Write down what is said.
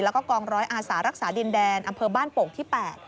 แล้วก็กองร้อยอาสารักษาดินแดนอำเภอบ้านโป่งที่๘